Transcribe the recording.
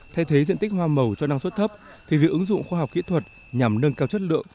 thay thế diện tích hoa màu cho năng suất thấp thì việc ứng dụng khoa học kỹ thuật nhằm nâng cao chất lượng